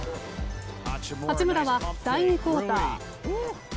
八村は第２クオーター。